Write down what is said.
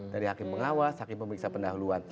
dari hakim pengawas hakim pemeriksa pendahuluan